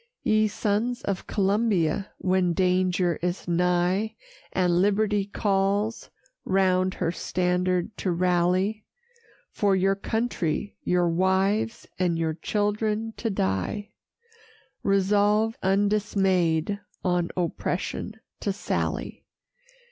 Ye sons of Columbia, when danger is nigh, And liberty calls, round her standard to rally, For your country, your wives, and your children to die, Resolve undismay'd on oppression to sally.